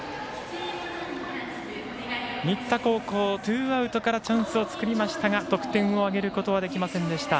新田高校、ツーアウトからチャンスを作りましたが得点を挙げることはできませんでした。